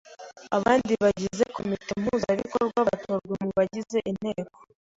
Abandi bagize Komite Mpuzabikorwa batorwa mu bagize Inteko